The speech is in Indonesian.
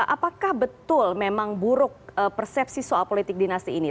apakah betul memang buruk persepsi soal politik dinasti ini